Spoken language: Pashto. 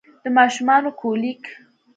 د ماشومانه کولیک